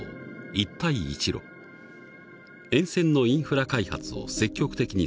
沿線のインフラ開発を積極的に進める。